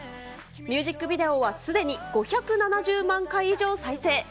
ミュージックビデオはすでに５７０万回以上再生。